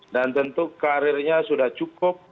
dan tentu karirnya sudah cukup